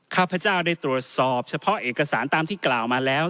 ข้าพเจ้าได้ตรวจสอบเฉพาะเอกสารตามที่กล่าวมาแล้ว